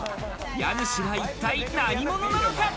家主は一体何者なのか？